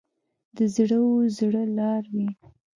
د زړه و زړه لار وي.